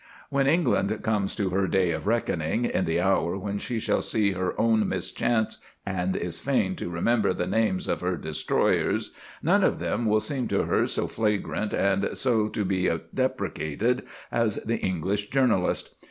When England comes to her day of reckoning, in the hour when she shall see her own mischance and is fain to remember the names of her destroyers, none of them will seem to her so flagrant and so to be deprecated as the English journalist.